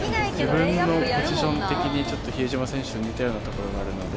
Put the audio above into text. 自分のポジション的にちょっと比江島選手と似たようなところがあるので。